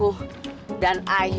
udah set "